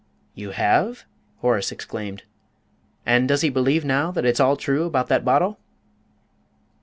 "You have?" Horace exclaimed. "And does he believe now that it's all true about that bottle?"